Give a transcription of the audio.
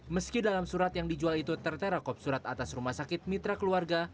meski dalam surat yang dijual itu tertera kop surat atas rumah sakit mitra keluarga